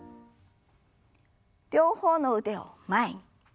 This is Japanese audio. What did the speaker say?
両方の腕を前に。